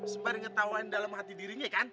sembari ngetahuan dalam hati dirinya kan